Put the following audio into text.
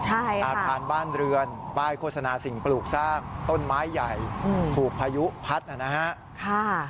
อาคารบ้านเรือนป้ายโฆษณาสิ่งปลูกสร้างต้นไม้ใหญ่ถูกพายุพัดนะฮะ